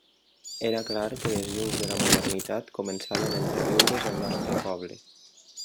Era clar que les llums de la modernitat començaven a entreveure's al nostre poble.